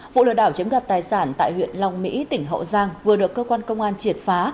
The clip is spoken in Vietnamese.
vụ lừa đảo chiếm đoạt tài sản tại huyện long mỹ tỉnh hậu giang vừa được cơ quan công an triệt phá